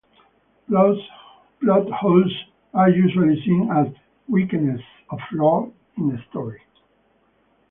Plot holes are usually seen as weaknesses or flaws in a story.